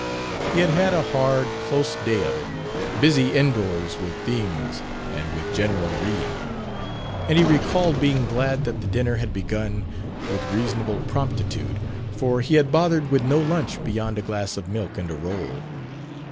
He had had a hard, close day of it, busy indoors with themes and with general reading; and he recalled being glad that the dinner had begun with reasonable promptitude, for he had bothered with no lunch beyond a glass of milk and a roll.